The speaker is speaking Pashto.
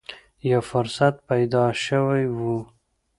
یو فرصت پیدا شوې و